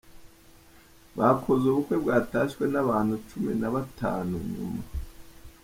bakoze ubukwe bwatashywe n’abantu cumi nabatanu nyuma